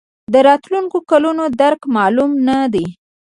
د راتلونکو کلونو درک معلوم نه دی.